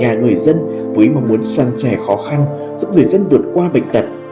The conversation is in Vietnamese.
những nhà người dân với mong muốn săn trẻ khó khăn giúp người dân vượt qua bệnh tật